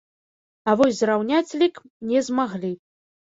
А вось зраўняць лік не змаглі.